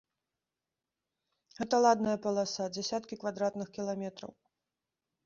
Гэта ладная паласа, дзясяткі квадратных кіламетраў.